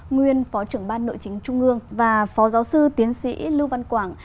nguyên phó trưởng ban nội chính trung ương và phó giáo sư tiến sĩ lưu văn quảng